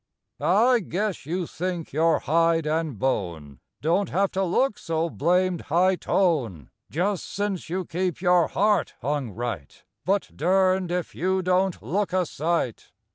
I guess you think your hide and bone Don't have to look so blamed high tone Just since you keep your heart hung right,— But durned if you don't look a sight.